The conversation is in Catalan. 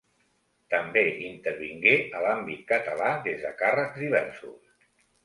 També intervingué a l'àmbit català des de càrrecs diversos.